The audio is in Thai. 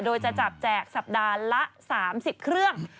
โดยจะจับแจกสัปดาห์ละ๓๐เครื่อง